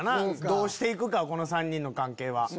どうして行くかこの３人の関係。